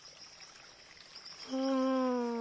うん。